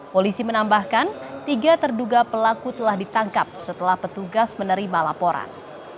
polisi menambahkan tiga terduga pelaku telah ditangkap setelah petugas menerima laporan